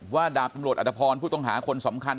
ดาบตำรวจอัตภพรผู้ต้องหาคนสำคัญ